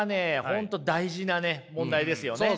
本当大事なね問題ですよね。